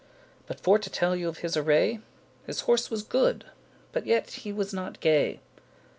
But for to telle you of his array, His horse was good, but yet he was not gay.